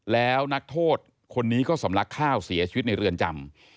แล้วนักโทษคนนี้ก็สำลักข้าวเสียชีวิตในเรือนจำ